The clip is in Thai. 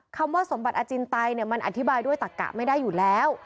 คำว่าสมบัติอาจินไตมันอธิบายด้วยตักกะไม่ได้อยู่แล้ว